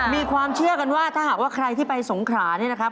มีความเชื่อกันว่าถ้าหากว่าใครที่ไปสงขราเนี่ยนะครับ